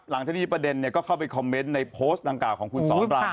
หลังจากนี้ประเด็นเนี่ยก็เข้าไปคอมเมนต์ในโพสต์ดังกล่าวของคุณสอบราว